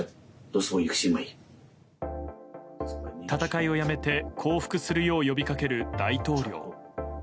戦いをやめて降伏するよう呼びかける大統領。